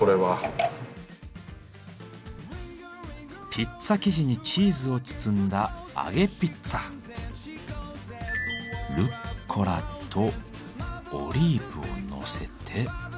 ピッツァ生地にチーズを包んだルッコラとオリーブをのせて。